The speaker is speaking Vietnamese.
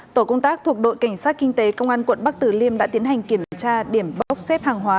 tổ công tác thuộc đội cảnh sát kinh tế công an quận bắc tử liêm đã tiến hành kiểm tra điểm bốc xếp hàng hóa